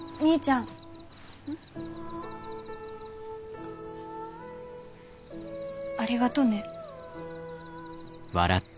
ん？ありがとね。